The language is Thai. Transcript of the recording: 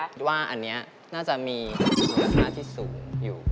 คิดว่าอันนี้น่าจะมีมูลค่าที่สูงอยู่